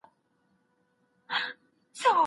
څنګه مدني سرغړونه بدلون راولي؟